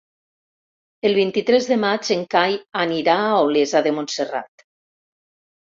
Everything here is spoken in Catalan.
El vint-i-tres de maig en Cai anirà a Olesa de Montserrat.